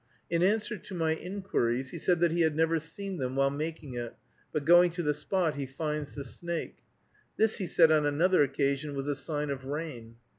In answer to my inquiries, he said that he had never seen them while making it, but going to the spot he finds the snake. This, he said on another occasion, was a sign of rain.